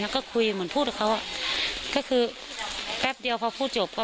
แล้วก็คุยเหมือนพูดกับเขาก็คือแป๊บเดียวพอพูดจบก็